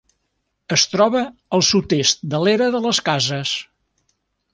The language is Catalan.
Es troba al sud-est de l'Era de les Cases.